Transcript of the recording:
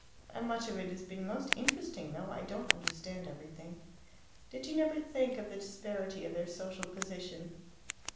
"And much of it has been most interesting, though I don't understand everything. Did you never think of the disparity of their social position?"